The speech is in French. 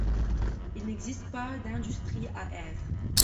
Il n'existe pas d'industrie à Aire.